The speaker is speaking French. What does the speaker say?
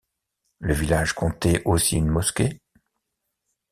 Le village comptait aussi une mosquée.